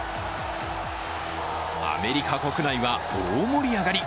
アメリカ国内は大盛り上がり。